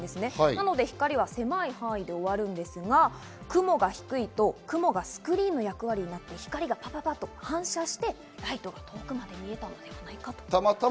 なので光は狭い範囲で終わるんですが、雲が低いと雲がスクリーンの役割になって、光がパパッと反射してライトが遠くまで見えたのではないかということです。